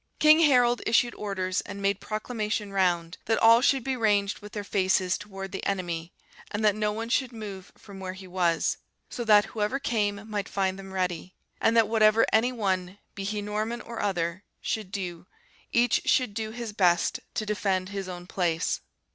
King Harold issued orders and made proclamation round, that all should be ranged with their faces towards the enemy; and that no one should move from where he was; so that, whoever came, might find them ready; and that whatever any one, be he Norman or other, should do, each should do his best to defend his own place.